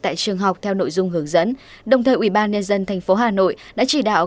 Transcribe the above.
tại trường học theo nội dung hướng dẫn đồng thời ubnd tp hà nội đã chỉ đạo